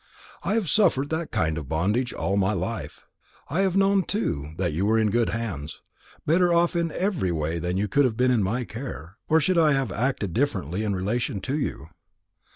I have suffered that kind of bondage all my life. I have known, too, that you were in good hands better off in every way than you could have been in my care or I should have acted differently in relation to you."